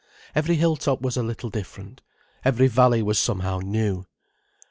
Every hill top was a little different, every valley was somehow new.